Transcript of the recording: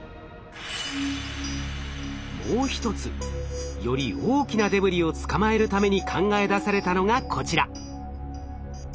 もう一つより大きなデブリを捕まえるために考え出されたのがこちら。